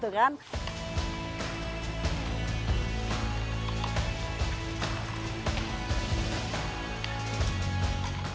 terima kasih sam